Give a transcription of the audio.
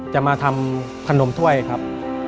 จะมาทำขนมถ้วยครับ